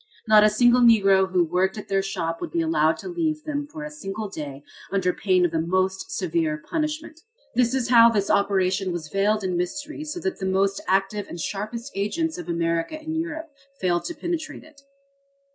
Not a single Negro who worked at their shop would be allowed to leave them for a single day under pain of the most severe punishment. This is how this operation was veiled in mystery so that the most active and sharpest agents of America and Europe failed to penetrate it.